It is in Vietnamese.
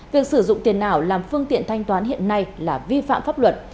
việc sử dụng tiền ảo làm phương tiện thanh toán hiện nay là vi phạm pháp luật